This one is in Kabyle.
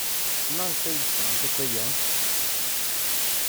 Maɣef ay d-sɣant akk aya?